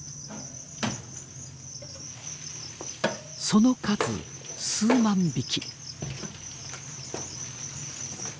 その数数万匹。